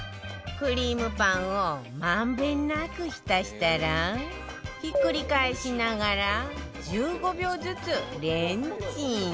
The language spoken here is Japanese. クリームパンを満遍なく浸したらひっくり返しながら１５秒ずつレンチン